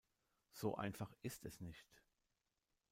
So einfach ist es nicht.